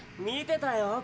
見てたよ。